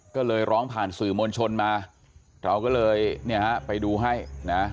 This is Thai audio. ก็เลยร้องผ่านสื่อมวลชนมาเราก็เลยเนี่ยฮะไปดูให้นะ